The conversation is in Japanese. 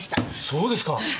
そうですか。